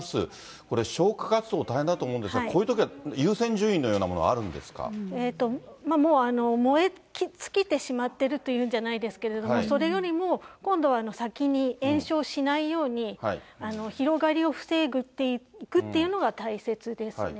これ、消火活動大変だと思いますが、こういうときは優先順位のよもう燃え尽きてしまってるというんじゃないですけれども、それよりも、今度は先に延焼しないように、広がりを防ぐっていうのが大切ですね。